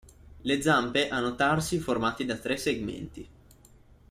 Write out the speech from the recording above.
Le zampe hanno tarsi formati da tre segmenti.